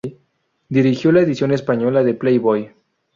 Dirigió la edición española de Playboy.